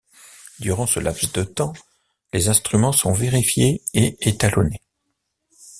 Durant ce laps de temps, les instruments sont vérifiés et étalonnés.